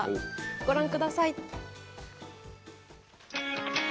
ご覧ください。